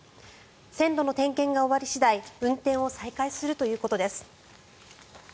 線路の点検が終わり次第運転を再開するということです。